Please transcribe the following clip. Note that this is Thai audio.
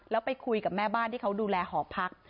แล้วไปคุยกับแม่บ้านที่เขาดูแลหอพัก